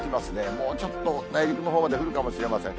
もうちょっと内陸のほうまで降るかもしれません。